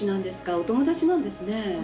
お友達なんですね。